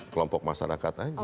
kelompok masyarakat saja